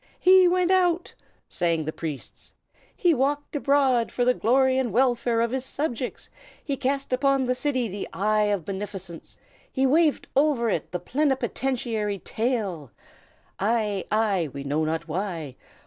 "He went out!" sang the priests. "He walked abroad, for the glory and welfare of his subjects. He cast upon the city the eye of beneficence; he waved over it the plenipotentiary tail! "Ai! ai! we know not why!